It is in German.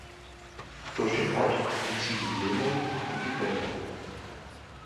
Durch den Ort fließen die Wümme und die Beeke.